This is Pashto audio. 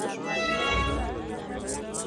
فشار د تېروتنو امکان زیاتوي.